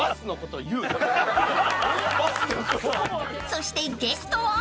［そしてゲストは］